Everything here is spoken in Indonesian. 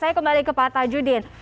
saya kembali ke pak tajudin